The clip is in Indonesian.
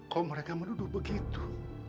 kok mereka menuduh begitu